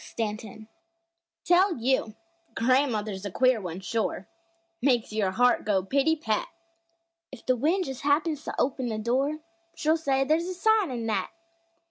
STANTON Tell you, gran'mother's a queer one, shore Makes your heart go pitty pat! If the wind just happens to open a door, She'll say there's "a sign" in that!